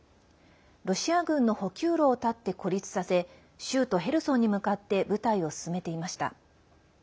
ロシア軍の補給路を絶って孤立させ州都ヘルソンに向かって部隊を進めていました。